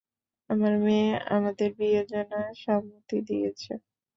আমার মেয়ে আমাদের বিয়ের জন্য সম্মতি দিয়েছে।